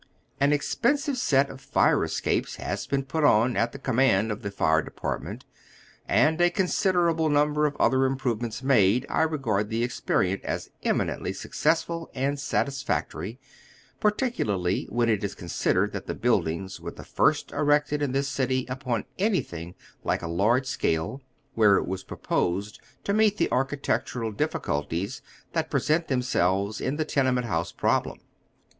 An expensive set of fii e escapes has been put on at the, command of the Fire Department, and a considerable number of other im provements made. I regard the ea^erime7it as eminently successful and satisfactory, particularly when it is consid ered that the buildings were the first erected in this city upon anything like a largo scale, where it was proposed to meet the architectural diificulties tiiat present themselves in the tenement house problem.